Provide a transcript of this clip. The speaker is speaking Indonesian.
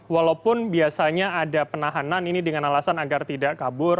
walaupun biasanya ada penahanan ini dengan alasan agar tidak kabur